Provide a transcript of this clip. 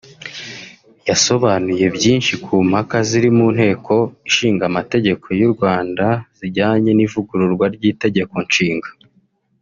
yasobanuye byinshi ku mpaka ziri mu Nteko Ishinga Amategeko y’ u Rwanda zijyanye n’ivugururwa ry’Itegeko Nshinga